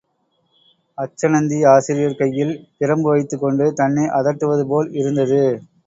அச்சணந்தி ஆசிரியர் கையில் பிரம்பு வைத்துக் கொண்டு தன்னை அதட்டுவது போல் இருந்தது.